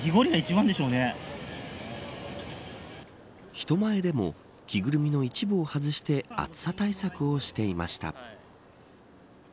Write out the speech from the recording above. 人前でも着ぐるみの一部を外して暑さ対策をしていました。